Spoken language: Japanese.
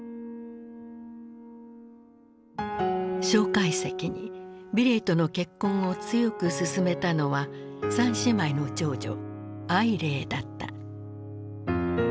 介石に美齢との結婚を強く勧めたのは三姉妹の長女靄齢だった。